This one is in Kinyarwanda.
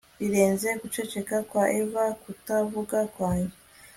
birenze guceceka kwa Eva kutavuga kwanjye